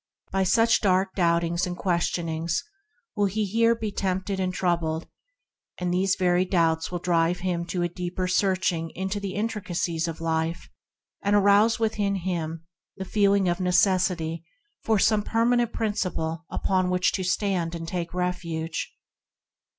By such dark doubtings and questionings will he here be tempted and troubled, until these very doubts drive him to a deeper searching into the intricacies of life, and arouse within him THE FINDING OF A PRINCIPLE 55 the feeling of necessity for some permanent Principle upon which to stand and take refuge.